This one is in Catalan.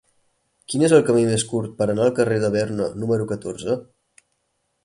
Quin és el camí més curt per anar al carrer de Berna número catorze?